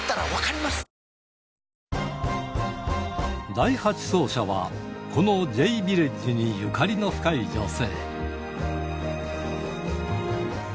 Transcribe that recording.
第８走者は、このＪヴィレッジにゆかりの深い女性。